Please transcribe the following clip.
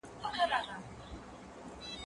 زه مخکي لیکل کړي وو،